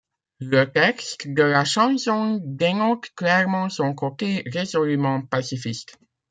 Le texte de la chanson dénote clairement son côté résolument pacifiste.